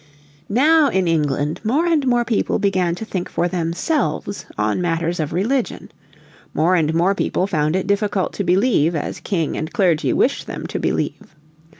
Now in England more and more people began to think for themselves on matters of religion. More and more people found it difficult to believe as King and Clergy wished them to believe.